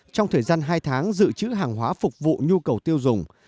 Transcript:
trong thời gian hai tháng dự trữ hàng hóa phục vụ nhu cầu tiêu dùng